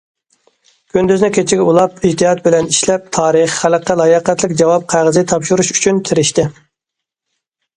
« كۈندۈزنى كېچىگە ئۇلاپ ئىجتىھات بىلەن ئىشلەپ، تارىخ، خەلققە لاياقەتلىك جاۋاب قەغىزى تاپشۇرۇش ئۈچۈن تىرىشتى».